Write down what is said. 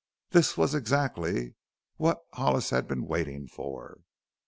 This was exactly what Hollis had been waiting for.